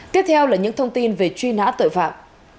tiếp theo là những thông tin về truy nã tội phạm